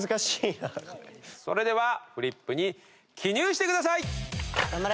それではフリップに記入してください！